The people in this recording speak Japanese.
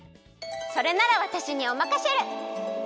それならわたしにおまかシェル。